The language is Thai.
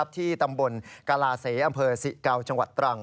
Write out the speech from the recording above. ที่ตำบลกาลาเสย์อำเภอ๔๙จังหวัดตรัง